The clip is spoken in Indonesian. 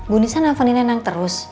bu nisa nelfoninnya neng terus